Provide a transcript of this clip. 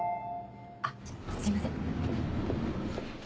あっすいません。